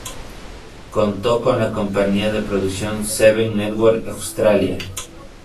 Contó con la compañía de producción "Seven Network Australia".